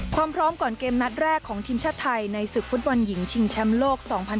พร้อมก่อนเกมนัดแรกของทีมชาติไทยในศึกฟุตบอลหญิงชิงแชมป์โลก๒๐๑๖